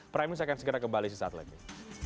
prime news akan segera kembali di saat lain